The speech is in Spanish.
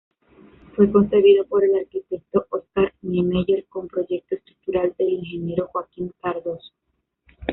Fue concebido por el arquitecto Oscar Niemeyer, con proyecto estructural del ingeniero Joaquim Cardozo.